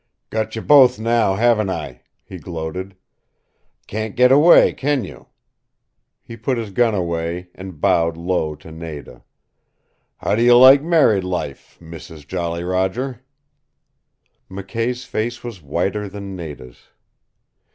"Got you both now, haven't I?" he gloated. "Can't get away, can you?" He put his gun away, and bowed low to Nada. "How do you like married life, Mrs. Jolly Roger?" McKay's face was whiter than Nada's.